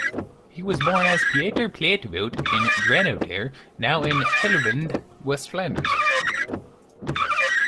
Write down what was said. He was born as Pieter Platevoet in Dranouter, now in Heuvelland, West Flanders.